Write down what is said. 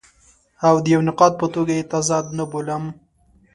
او د یوه نقاد په توګه یې تضاد نه بولم.